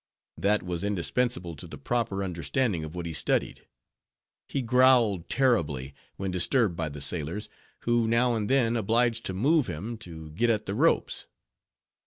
That was indispensable to the proper understanding of what he studied. He growled terribly, when disturbed by the sailors, who now and then were obliged to move him to get at the ropes.